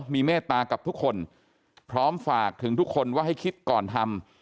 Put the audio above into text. มีเมตตากับทุกคนพร้อมฝากถึงทุกคนว่าให้คิดก่อนทำ